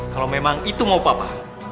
kalau memang itu mau papa